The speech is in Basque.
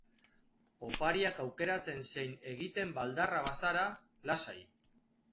Opariak aukeratzen zein egiten baldarra bazara, lasai!